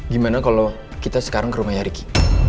gimana kalau kita sekarang ke rumahnya ricky